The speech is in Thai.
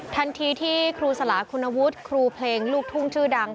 ทันทีที่ครูสลาคุณวุฒิครูเพลงลูกทุ่งชื่อดัง